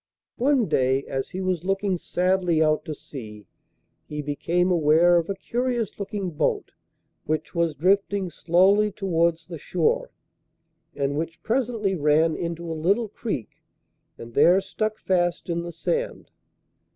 One day, as he was looking sadly out to sea, he became aware of a curious looking boat which was drifting slowly towards the shore, and which presently ran into a little creek and there stuck fast in the sand.